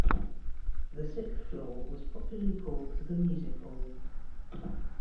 The sixth floor was popularly called the Music Hall.